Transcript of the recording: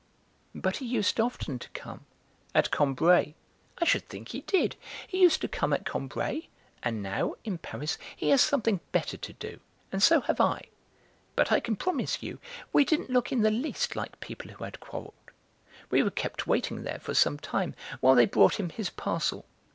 "But he used often to come, at Combray." "I should think he did! He used to come at Combray, and now, in Paris, he has something better to do, and so have I. But I can promise you, we didn't look in the least like people who had quarrelled. We were kept waiting there for some time, while they brought him his parcel.